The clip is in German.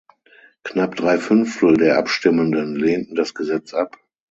Knapp drei Fünftel der Abstimmenden lehnten das Gesetz ab.